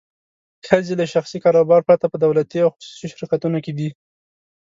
ښځې له شخصي کاروبار پرته په دولتي او خصوصي شرکتونو کې دي.